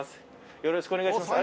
よろしくお願いします